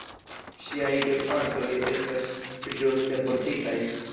Ŝiaj gepatroj estas ĵus deportitaj.